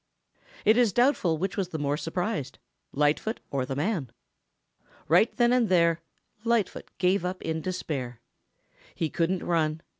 It is doubtful which was the more surprised, Lightfoot or the man. Right then and there Lightfoot gave up in despair. He couldn't run.